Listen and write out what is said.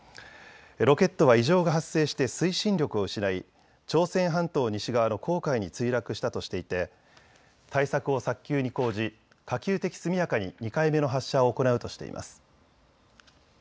ロケットは異常が発生して推進力を失い朝鮮半島西側の黄海に墜落したとしていて対策を早急に講じ可及的速やかに２回目の発射を行うとしています。